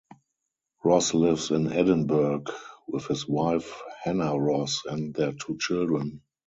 Ross lives in Edinburgh with his wife Hanna Ross and their two children.